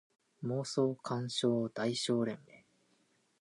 妄想感傷代償連盟